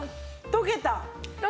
溶けた！